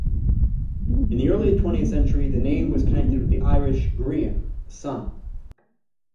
In the early twentieth century, the name was connected with the Irish "grian", 'sun'.